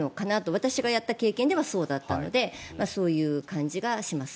私がやった経験ではそうだったのでそういう感じがします。